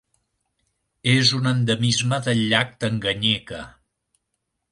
És un endemisme del llac Tanganyika: